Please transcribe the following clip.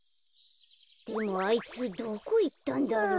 でもあいつどこいったんだろう。